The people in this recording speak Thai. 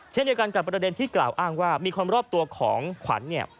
เช่นเดียวกันกับประเด็นที่กล่าวอ้างว่ามีคนรอบตัวของขวัญเนี่ย